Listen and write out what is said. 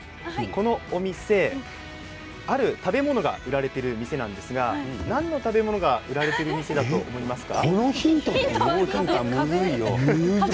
この店、ある食べ物が売られている店なんですが何の食べ物が売られていると思いますか？